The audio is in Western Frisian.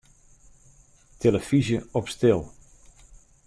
Tillefyzje op stil.